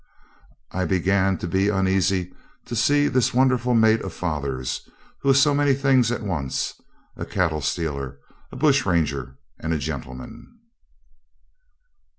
I began to be uneasy to see this wonderful mate of father's, who was so many things at once a cattle stealer, a bush ranger, and a gentleman.